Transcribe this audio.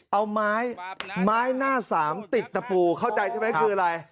เอาไม้ไม้หน้าสามติดตะปูเข้าใจใช่ไหมคืออะไร